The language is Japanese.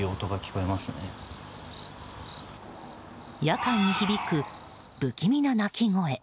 夜間に響く不気味な鳴き声。